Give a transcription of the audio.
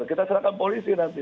kita serahkan polisi nanti